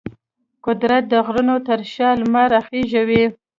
قدرت د غرونو تر شا لمر راخیژوي.